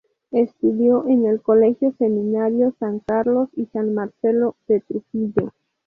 Estudió en el Colegio Seminario San Carlos y San Marcelo, de Trujillo.